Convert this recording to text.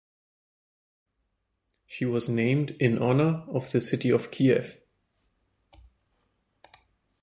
She was named in honor of the city of Kiev.